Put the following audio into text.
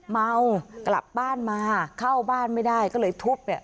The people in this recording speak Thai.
เมากลับบ้านมาเข้าบ้านไม่ได้ก็เลยทุบเนี่ย